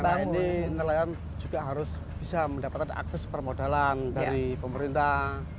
karena ini nelayan juga harus bisa mendapatkan akses permodalan dari pemerintah